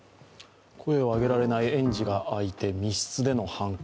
声を上げられない園児がいて密室での犯行。